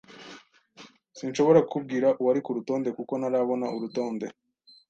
Sinshobora kukubwira uwari kurutonde kuko ntarabona urutonde.